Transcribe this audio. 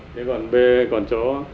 thế còn b còn chỗ